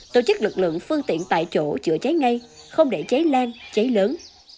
tổ chức lực lượng phương tiện tại chỗ chữa cháy ngay không để cháy lan cháy lớn